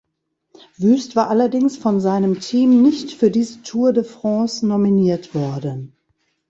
Wüst war allerdings von seinem Team nicht für diese Tour de France nominiert worden.